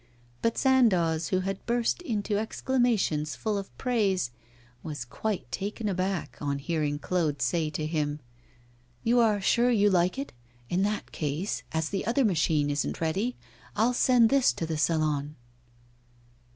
But Sandoz, who had burst out into exclamations fall of praise, was quite taken aback on hearing Claude say to him: 'You are sure you like it? In that case, as the other machine isn't ready, I'll send this to the Salon.